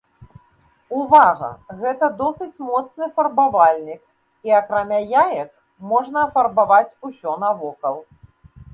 Увага, гэта досыць моцны фарбавальнік і, акрамя яек, можна афарбаваць усё навокал.